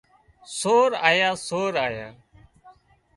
سور آيا سور آيا